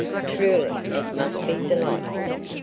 Truly it must be delightful.